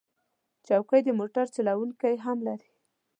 چوکۍ د موټر چلونکي هم لري.